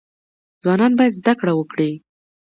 ځوانان باید زده کړه وکړي